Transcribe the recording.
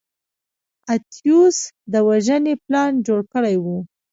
اتیوس د وژنې پلان جوړ کړی و.